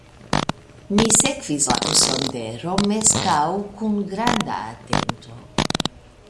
Mi sekvis la kurson de Romeskaŭ kun granda atento.